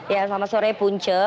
ya selamat sore punca